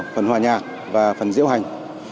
phần hòa nhạc và phần diễu hành